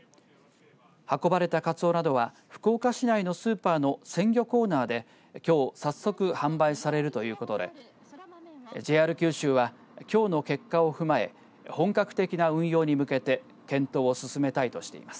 運ばれたカツオなどは福岡市内のスーパーの鮮魚コーナーできょう、早速販売されるということでＪＲ九州はきょうの結果を踏まえ本格的な運用に向けて検討を進めたいとしています。